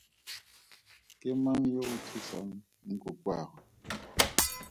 Ke mang yo a thusang nkokoagwe?